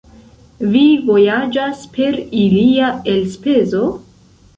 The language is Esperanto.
Vi vojaĝas per ilia elspezo?